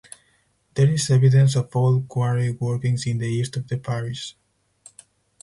There is evidence of old quarry workings in the east of the parish.